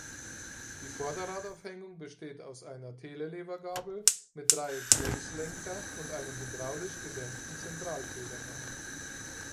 Die Vorderradaufhängung besteht aus einer Telelever-Gabel mit Dreiecks-Längslenker und einem hydraulisch gedämpften Zentralfederbein.